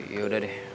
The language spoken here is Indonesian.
ya udah deh